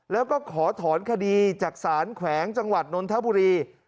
แล้วก็ขอถอนคดีจากศาลแขวงจังหวัดนนทบุรี